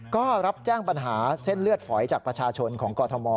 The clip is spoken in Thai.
ก็รับแจ้งปัญหาเส้นเลือดฝอยจากประชาชนของกรทม